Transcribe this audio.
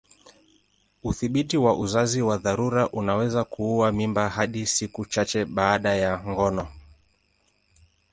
Udhibiti wa uzazi wa dharura unaweza kuua mimba hadi siku chache baada ya ngono.